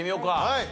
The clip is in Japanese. はい！